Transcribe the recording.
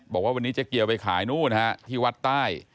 บอกว่าวันนี้เจ๊เกียวไปขายนู่นฮะที่วัดใต้